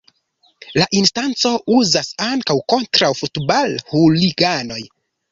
La instanco uzas ankaŭ kontraŭ futbal-huliganoj.